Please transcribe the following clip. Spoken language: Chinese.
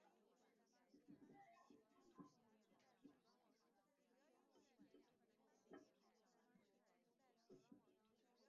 敌向申津渡方向逃去。